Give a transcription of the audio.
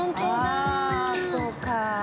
あそうか。